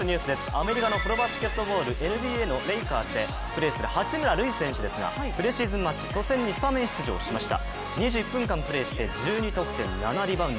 アメリカのプロバスケットボールＮＢＡのレイカーズでプレーする八村塁選手ですがプレシーズンマッチ初戦にスタメン出場しました。